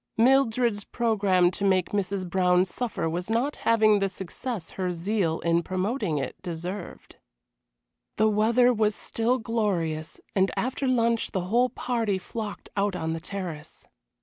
Mildred's programme to make Mrs. Brown suffer was not having the success her zeal in promoting it deserved. The weather was still glorious, and after lunch the whole party flocked out on the terrace.